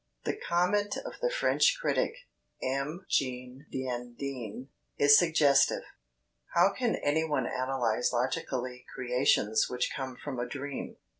The comment of the French critic, M. Jean d'Undine, is suggestive: "How can any one analyze logically creations which come from a dream